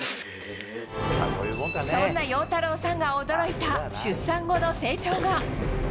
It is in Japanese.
そんな陽太郎さんが驚いた、出産後の成長が。